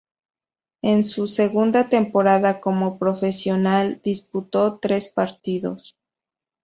En su segunda temporada como profesional, disputó tres partidos.